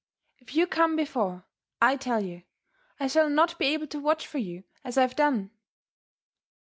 If you oome before, I tell you 1 shall not be able to watch for you as I have done."